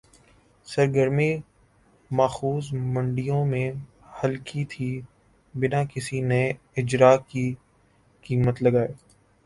سرگرمی ماخوذ منڈیوں میں ہلکی تھِی بِنا کسی نئے اجراء کی قیمت لگائے